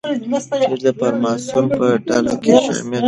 پییر د فراماسون په ډله کې شامل شو.